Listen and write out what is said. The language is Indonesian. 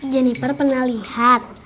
jennifer pernah lihat